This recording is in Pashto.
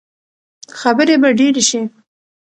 خبرې به ډېرې شي.